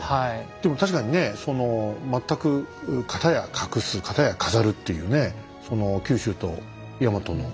でも確かにね全く片や隠す片や飾るっていうねそうなんですよ